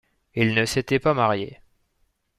Il ne s’était pas marié.